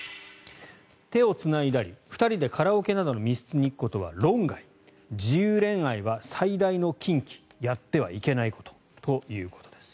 手をつないだり２人でカラオケなどの密室に行くことは論外自由恋愛は最大の禁忌やってはいけないことということです。